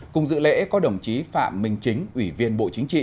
cùng dự lễ có đồng chí phạm minh chính ủy viên bộ chính trị